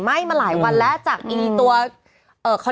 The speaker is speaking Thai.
มาหลายวันแล้วจากอีนี้ตัวของเขา